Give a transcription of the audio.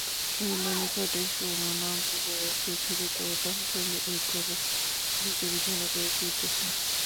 হরিমোহিনী খাটে শোন না বলিয়া সুচরিতাও তাঁহার সঙ্গে এক ঘরে নীচে বিছানা করিয়া শুইতেছে।